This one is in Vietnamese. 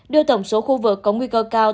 đưa tổng số khu vực có nguy cơ cao